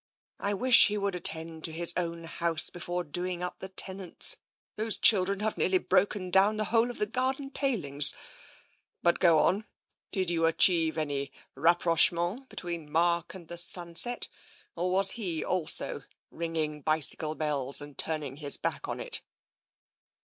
I wish he would attend to his own house, before doing up the tenants'! Those children have nearly broken down the whole of the garden palings. But go on — did you achieve any rapproche ment between Mark and the sunset, or was he also ringing bicycle bells and turning his back on it